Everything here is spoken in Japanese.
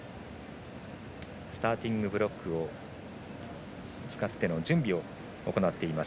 スターティングブロックを使っての準備を行っています。